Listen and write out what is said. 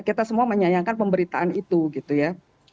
kita semua menyayangkan pemberitaan itu gitu ya